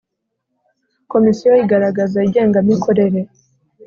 Komisiyo igaragaza ingenga mikorere.